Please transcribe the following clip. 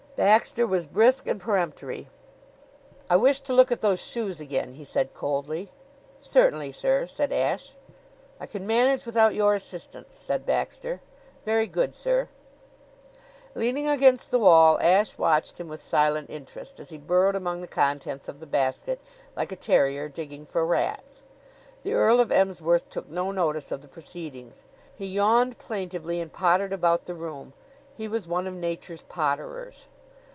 Baxter was brisk and peremptory. "I wish to look at those shoes again," he said coldly. "Certainly, sir," said Ashe. "I can manage without your assistance," said Baxter. "Very good, sir." Leaning against the wall, Ashe watched him with silent interest, as he burrowed among the contents of the basket, like a terrier digging for rats. The Earl of Emsworth took no notice of the proceedings. He yawned plaintively, and pottered about the room. He was one of Nature's potterers.